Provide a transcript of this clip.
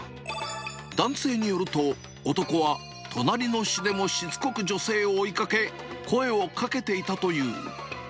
男性によると、男は隣の市でもしつこく女性を追いかけ、声をかけていたという。